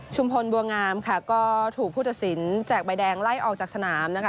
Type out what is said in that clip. พลบัวงามค่ะก็ถูกผู้ตัดสินแจกใบแดงไล่ออกจากสนามนะคะ